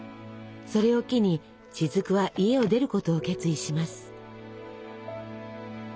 それを機に雫は家を出ることを決意します。